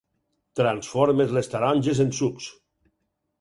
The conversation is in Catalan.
Transformes les taronges en sucs.